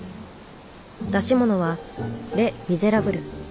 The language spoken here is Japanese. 出し物は「レ・ミゼラブル」。